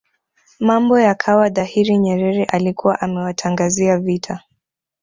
mambo yakawa dhahiri Nyerere alikuwa amewatangazia vita